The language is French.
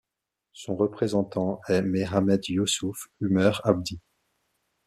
Son représentant est Mehamed Yusuf Umer Abdi.